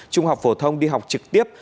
trung học phổ thông đi học trực tiếp